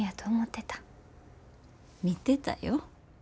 みてたよ。